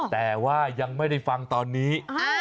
แต่ว่ายังไม่ได้ฟังตอนนี้